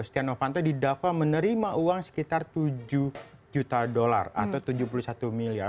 setia novanto didakwa menerima uang sekitar tujuh juta dolar atau tujuh puluh satu miliar